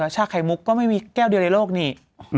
ชาไข่มุกก็ไม่มีแก้วเดียวในโลกนี่